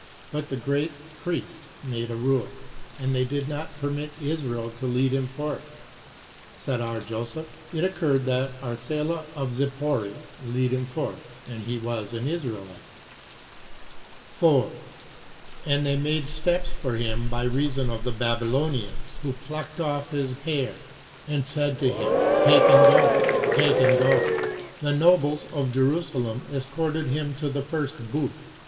But the great priests made a rule, and they did not permit Israel to lead him forth. Said R. Joseph, "it occurred that Arsela of Zippori lead him forth, and he was an Israelite." 4. And they made steps 4 for him by reason of the Babylonians, 5 who plucked off his hair and said to him, "take and go, take and go." The nobles of Jerusalem escorted him to the first booth.